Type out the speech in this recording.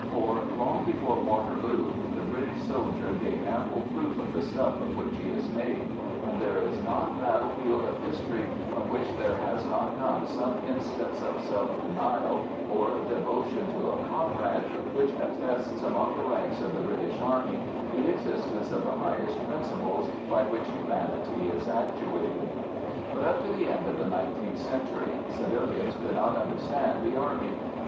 For, long before Waterloo, the British soldier gave ample proof of the stuff of which he is made, and there is not a battlefield of history from which there has not come some instance of self denial or devotion to a comrade which attests among the ranks of the British Army the existence of the highest principles by which humanity is actuated. But, up to the end of the nineteenth century, civilians could not understand the Army.